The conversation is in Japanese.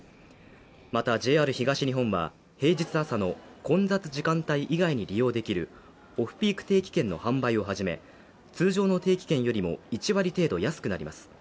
またＪＲ東日本は、平日朝の混雑時間帯以外に利用できるオフピーク定期券の販売を始め、通常の定期券よりも１割程度安くなります。